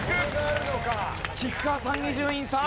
菊川さん伊集院さん。